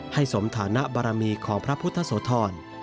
สมฐานะบารมีของพระพุทธโสธร